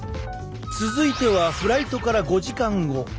続いてはフライトから５時間後。